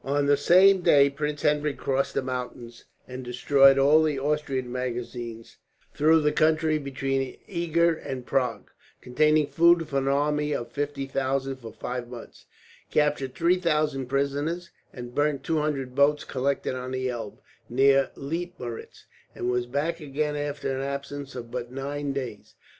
On the same day Prince Henry crossed the mountains, and destroyed all the Austrian magazines through the country between Eger and Prague containing food for an army of fifty thousand for five months captured three thousand prisoners, and burnt two hundred boats collected on the Elbe, near Leitmeritz; and was back again after an absence of but nine days.